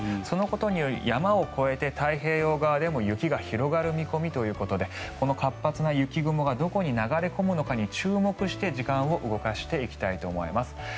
そのことにより山を越えて太平洋側でも雪が広がる見込みということでこの活発な雪雲がどこに流れ込むのかに注目して時間を動かしていきたいと思います。